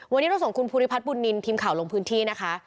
วันนี้เราส่งคุณภูริพัฒนบุญนินทีมข่าวลงพื้นที่นะคะ